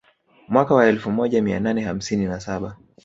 Mwaka wa elfu moja mia nane hamsini na saba